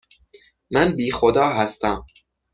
من بی خدا هستم.